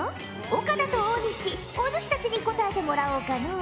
岡田と大西お主たちに答えてもらおうかのう。